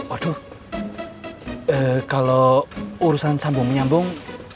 waduh kalau urusan sambung menyambung